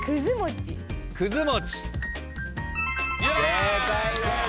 正解です。